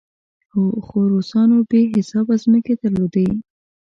هو، خو روسانو بې حسابه ځمکې درلودې.